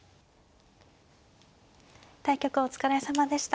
対局お疲れさまでした。